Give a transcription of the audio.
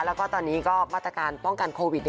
แล้วก็ตอนนี้ก็มาตรการป้องกันโควิด